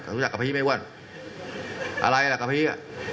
เขารู้จักกะพรีไหมว่ะอะไรล่ะกะพรี